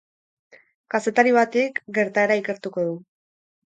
Kazetari batek gertaera ikertuko du.